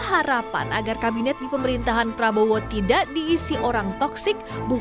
jika harapan agar kabinet di pemerintahan prabowo tidak diisi orang toksik bukan hanya harapan luhut